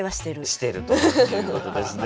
してるということですね。